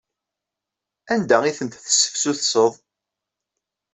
Anda ay tent-tesseftutseḍ?